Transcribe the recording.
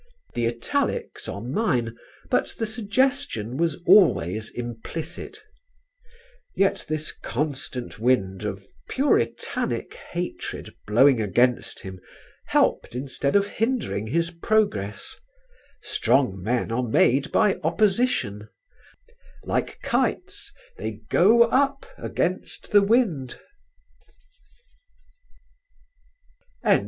The italics are mine; but the suggestion was always implicit; yet this constant wind of puritanic hatred blowing against him helped instead of hindering his progress: strong men are made by opposition; like kites they go up against the wind.